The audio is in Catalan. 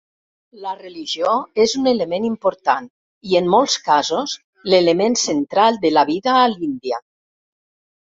La religió és un element important i, en molts casos, l'element central de la vida a l'Índia.